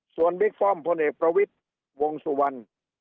ส่วนบิ๊กป้อมพลเอกประวิทย์วงสุวรรณ